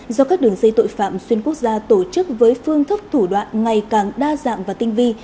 do các đường dây tội phạm xuyên quốc gia tổ chức với phương thức thủ đoạn ngày càng đa dạng và tinh vi